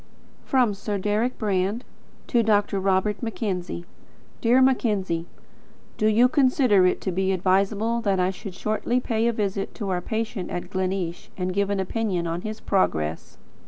From Sir Deryck Brand to Dr. Robert Mackenzie. Dear Mackenzie: Do you consider it to be advisable that I should shortly pay a visit to our patient at Gleneesh and give an opinion on his progress?